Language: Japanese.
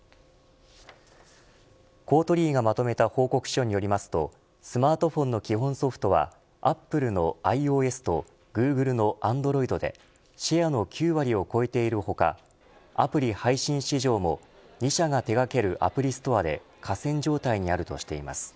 公取委がまとめた報告書によりますとスマートフォンの基本ソフトはアップルのｉＯＳとグーグルのＡｎｄｒｏｉｄでシェアの９割を超えている他アプリ配信市場も２社が手掛けるアプリストアで寡占状態にあるとしています。